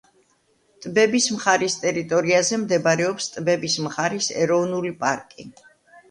ტბების მხარის ტერიტორიაზე მდებარეობს ტბების მხარის ეროვნული პარკი.